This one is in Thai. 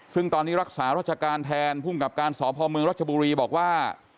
ซึ่งตอนนี้รักษารัชการแทนภูมิกับการสพเมืองรัชบุรีบอกว่า